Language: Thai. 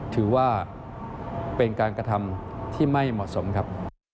ถือว่าเป็นการกระทำที่ไม่เหมาะสมครับ